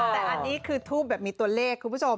แต่อันนี้คือทูบแบบมีตัวเลขคุณผู้ชม